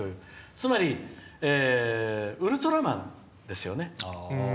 つまり、ウルトラマンですよね。